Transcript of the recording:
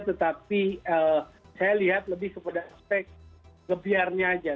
tetapi saya lihat lebih kepada aspek ngebiarnya aja